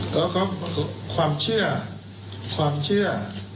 ก็ความเชื่อความเชื่อ